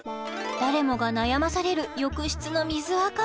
誰もが悩まされる浴室の水垢